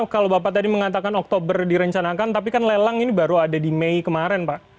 karena kalau bapak tadi mengatakan oktober direncanakan tapi kan lelang ini baru ada di mei kemarin pak